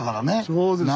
そうですね。